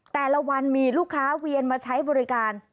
แต่ละวันมีลูกค้าเวียนมาใช้บริการ